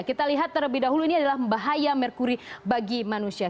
kita lihat terlebih dahulu ini adalah membahaya merkuri bagi manusia